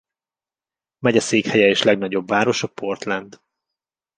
Megyeszékhelye és legnagyobb városa Portland.